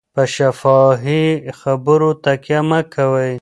په شفاهي خبرو تکیه مه کوئ.